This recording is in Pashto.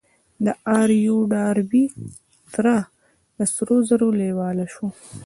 د آر يو ډاربي تره د سرو زرو لېواله شو.